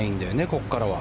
ここからは。